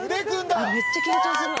めっちゃ緊張するわ。